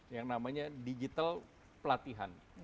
yang namanya digital pelatihan